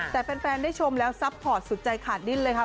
แต่แฟนได้ชมแล้วรักกำลังติดกัน